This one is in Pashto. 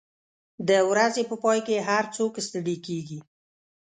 د ورځې په پای کې هر څوک ستړي کېږي.